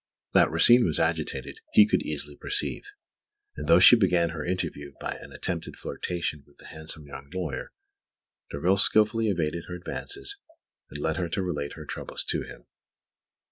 That Rosine was agitated, he could easily perceive; and though she began her interview by an attempted flirtation with the handsome young lawyer, Derville skillfully evaded her advances and led her to relate her troubles to him.